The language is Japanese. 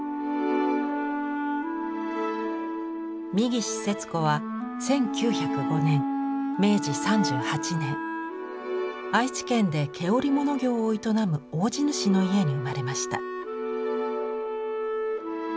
三岸節子は１９０５年明治３８年愛知県で毛織物業を営む大地主の家に生まれました。